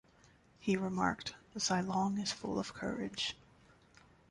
He remarked, Zilong is full of courage.